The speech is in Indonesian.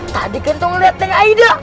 tadi kita ngeliat dengan aida